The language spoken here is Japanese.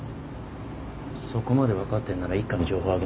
そこまで分かってんなら一課に情報あげますよ。